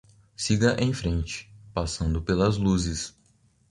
Siga em frente, passando pelas luzes.